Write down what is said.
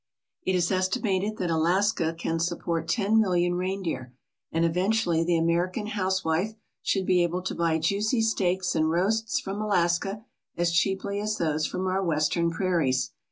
It is estimated that Alaska can support ten million reindeer, and eventu ally the American housewife should be able to buy juicy steaks and roasts from Alaska as cheaply as those from our Western prairies.